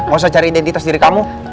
gak usah cari identitas diri kamu